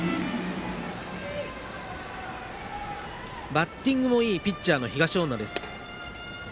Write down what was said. バッティングもいいピッチャーの東恩納。